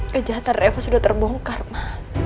kejahatan reves udah terbongkar ma